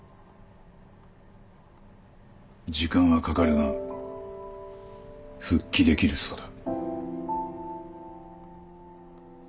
時間はかかるが復帰できるそうだ。